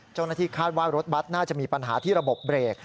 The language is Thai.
เจ้าหน้าที่คาดว่ารถบัตรน่าจะมีปัญหาที่ระบบเบรก